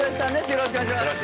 よろしくお願いします